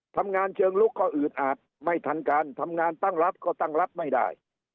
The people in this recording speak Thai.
ทำงานเชิงลุกก็อืดอาจไม่ทันการทำงานตั้งรับก็ตั้งรับไม่ได้